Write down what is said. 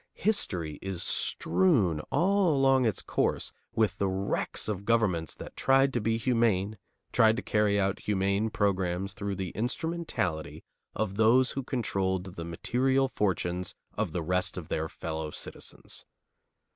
History is strewn all along its course with the wrecks of governments that tried to be humane, tried to carry out humane programs through the instrumentality of those who controlled the material fortunes of the rest of their fellow citizens.